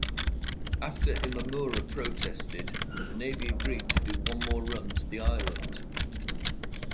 After Imamura protested, the navy agreed to one more run to the island.